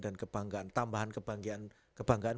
dan kebanggaan tambahan kebanggaan